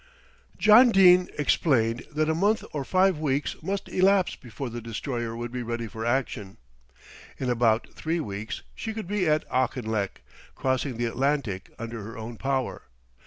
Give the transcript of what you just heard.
John Dene explained that a month or five weeks must elapse before the Destroyer would be ready for action. In about three weeks she could be at Auchinlech, crossing the Atlantic under her own power.